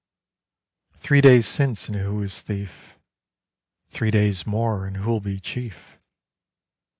Three days since, and who was Thief? Three days more, and who'll be Chief?